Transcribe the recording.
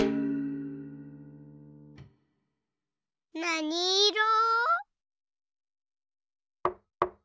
なにいろ？